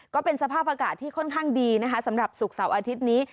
ก็เป็นสภาพอากาศที่ค่อนข้างดีนะคะสำหรับศุกร์เสาร์อาทิตย์นี้